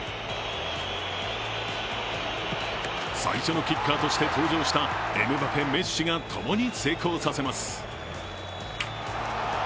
最初のキッカーとして登場したエムバペ、メッシが共に成功させます。